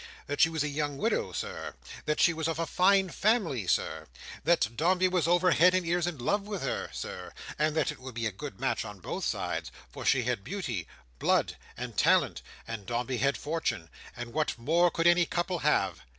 That she was a young widow, Sir. That she was of a fine family, Sir. That Dombey was over head and ears in love with her, Sir, and that it would be a good match on both sides; for she had beauty, blood, and talent, and Dombey had fortune; and what more could any couple have?